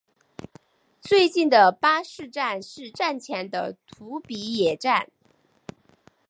最近的巴士站是站前的土笔野站。